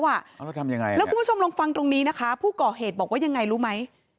แล้วทำยังไงแล้วคุณผู้ชมลองฟังตรงนี้นะคะผู้ก่อเหตุบอกว่ายังไงรู้ไหม